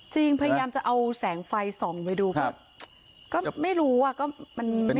จริงพยายามจะเอาแสงไฟส่องไว้ดูครับก็ไม่รู้ว่าก็มันไม่สามารถอธิบายได้